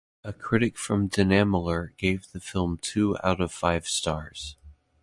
A critic from Dinamalar gave the film two out of five stars.